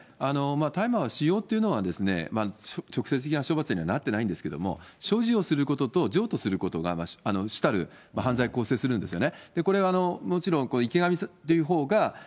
大麻は使用っていうのは直接処罰にはなってないんですけど、所持をすることと譲渡することが、主たる犯罪を構成するんですよね。